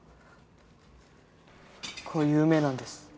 こういう運命なんです。